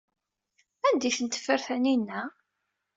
Anda ay tent-teffer Taninna?